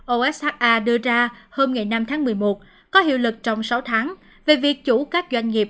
osa đưa ra hôm ngày năm tháng một mươi một có hiệu lực trong sáu tháng về việc chủ các doanh nghiệp